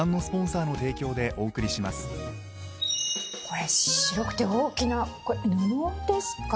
これ白くて大きなこれ布ですか？